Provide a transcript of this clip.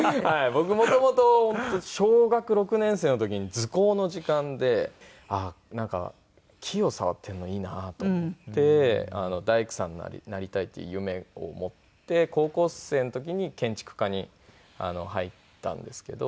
僕元々小学６年生の時に図工の時間でなんか木を触っているのいいなと思って大工さんになりたいっていう夢を持って高校生の時に建築科に入ったんですけど。